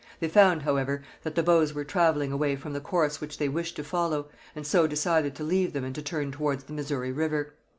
They found, however, that the Bows were travelling away from the course which they wished to follow, and so decided to leave them and to turn towards the Missouri river.